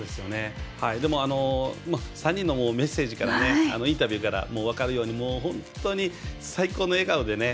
でも、３人のインタビューからも分かるように本当に最高の笑顔で。